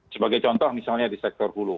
sebagai contoh misalnya di sektor hulu